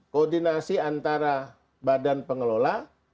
koordinasi antara badan pengelola